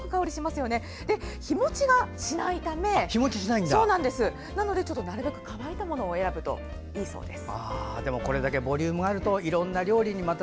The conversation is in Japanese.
日もちがしないためなるべく乾いたものを選ぶといいそうです。